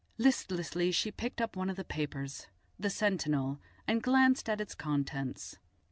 Listlessly she picked up one of the papers, the Sentinel, and glanced at its contents.